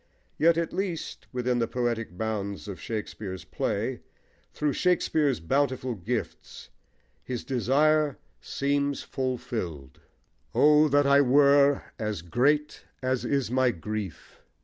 Yet at least within the poetic bounds of Shakespeare's play, through Shakespeare's bountiful gifts, his desire seems fulfilled. O! that I were as great As is my grief.